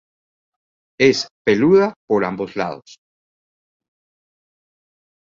Es peluda por ambos lados.